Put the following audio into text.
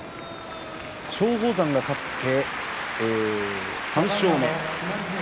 松鳳山が勝って３勝目。